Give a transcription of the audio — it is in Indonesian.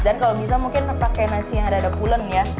dan kalau bisa mungkin pakai nasi yang ada ada pulang ya